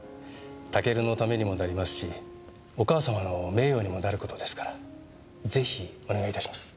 タケルのためにもなりますしお母様の名誉にもなる事ですからぜひお願いいたします。